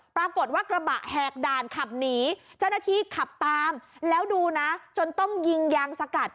ปรากฏว่ากระบะแหกด่านขับหนีเจ้าหน้าที่ขับตามแล้วดูนะจนต้องยิงยางสกัด